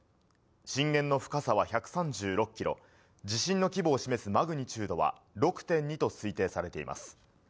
震源の深さは１３６キロ、地震の規模を示すマグニチュードは６．２と推定されています。